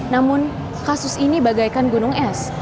namun kasus ini bagaikan gunung es